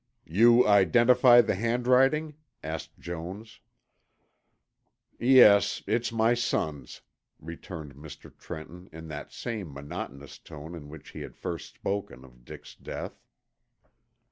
"You identify the handwriting?" asked Jones. "Yes, it's my son's," returned Mr. Trenton in that same monotonous tone in which he had first spoken of Dick's death.